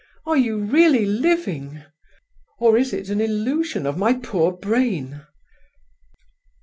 Are you really living? or is it an illusion of my poor brain!